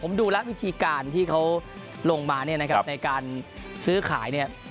ผมดูแล้ววิธีการที่เขาลงมาในการซื้อขาย